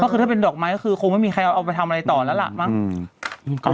ก็คือถ้าเป็นดอกไม้ก็คือคงไม่มีใครเอาไปทำอะไรต่อแล้วล่ะมั้ง